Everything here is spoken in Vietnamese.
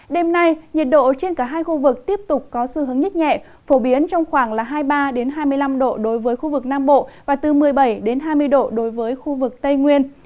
đêm nay nhiệt độ trên cả hai khu vực tiếp tục có xu hướng nhích nhẹ phổ biến trong khoảng hai mươi ba hai mươi năm độ đối với khu vực nam bộ và từ một mươi bảy hai mươi độ đối với khu vực tây nguyên